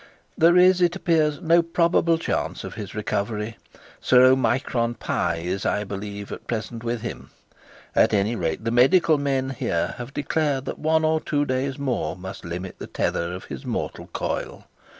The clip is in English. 'There is, it appears, no probable chance of his recovery. Sir Omicron Pie is, I believe, at present with him. At any rate the medical men here have declared that one or two days more must limit the tether of his mortal coil.